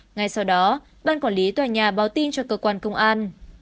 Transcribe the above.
ngay sau đó ban quản lý tòa nhà báo tin cho cơ quan công an